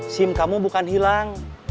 sim kamu bukan hilang